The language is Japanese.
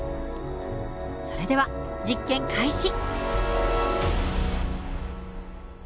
それでは実験開始。